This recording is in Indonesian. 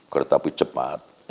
kereta api cepat